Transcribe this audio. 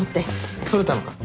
撮れたのか？